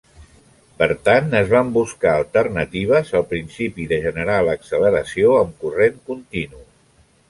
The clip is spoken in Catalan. Per tant, es van buscar alternatives al principi de generar l'acceleració amb corrent continu.